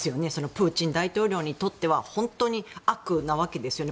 プーチン大統領にとっては本当に悪なわけですよね。